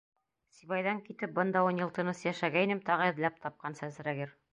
Сибайҙан китеп, бында ун йыл тыныс йәшәгәйнем, тағы эҙләп тапҡан, сәсрәгер!